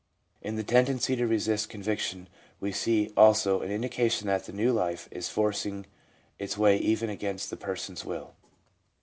In the tendency to resist conviction we see, also, an indication that the new life is forcing its way even against the person's will.